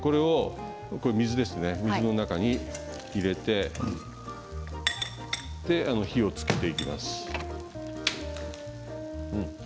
水の中に入れて火をつけていきます。